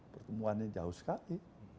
pertemuannya jauh sekali